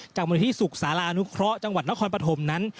จากบริธีศูกษาลานุเคราะห์จังหวัดนครปภมนั้น